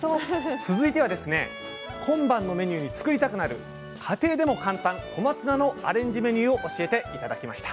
続いてはですね今晩のメニューに作りたくなる家庭でも簡単小松菜のアレンジメニューを教えて頂きました。